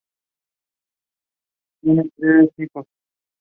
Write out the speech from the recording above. Tienen dos hijos: Hayley Smith, Steve Smith.